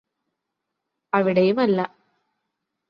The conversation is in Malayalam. അവിടെയുമല്ലാ